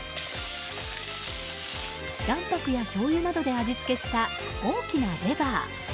卵白やしょうゆなどで味付けした大きなレバー。